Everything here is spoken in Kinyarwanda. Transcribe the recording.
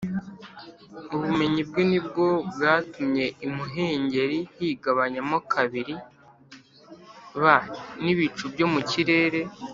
Ubumenyi bwe ni bwo bwatumye imuhengeri higabanyamo kabiri b n ibicu byo mu kirere